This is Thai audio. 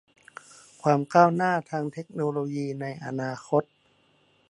ความก้าวหน้าทางเทคโนโลยีในอนาคต